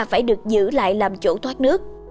phải được giữ lại làm chỗ thoát nước